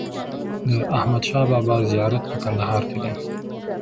د احمدشاه بابا زیارت په کندهار کې دی.